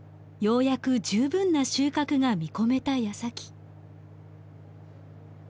ようやく十分な収穫が見込めた矢先。